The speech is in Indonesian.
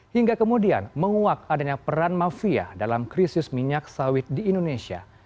hingga kemudian menguak adanya peran mafia dalam krisis minyak sawit di indonesia